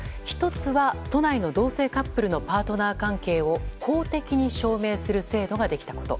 １つは、都内の同性カップルのパートナー関係を公的に証明する制度ができたこと。